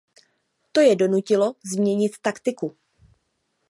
To je donutilo změnit taktiku.